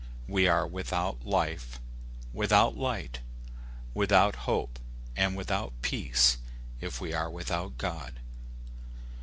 We are without life, without light, without hope, and without peace, if we are without God.